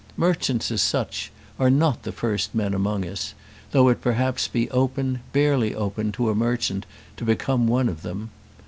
Merchants as such are not the first men among us; though it perhaps be open, barely open, to a merchant to become one of them.